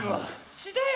血だよ！